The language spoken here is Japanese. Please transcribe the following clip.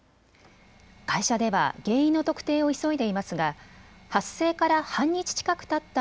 会社では原因の特定を急いでいますが発生から半日近くたった